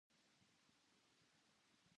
パスワードは定期的に変えるのが安全だ。